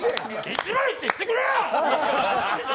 １枚って言ってくれよ！